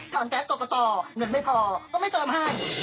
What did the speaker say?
ทางแก๊กตกต่อเงินไม่พอก็ไม่เติมให้